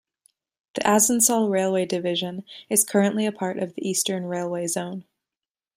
The Asansol Railway Division is currently a part of the Eastern Railway Zone.